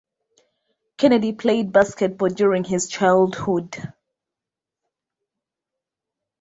Kennedy played basketball during his childhood.